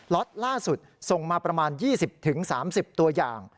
็อตล่าสุดส่งมาประมาณ๒๐๓๐ตัวอย่าง